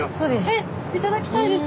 え頂きたいです。